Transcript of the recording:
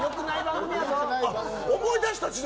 思い出した千鳥！